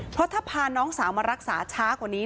เพราะถ้าพาน้องสาวมารักษาช้ากว่านี้